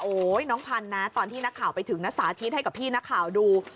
น้องพันธุ์นะตอนที่นักข่าวไปถึงนะสาธิตให้กับพี่นักข่าวดู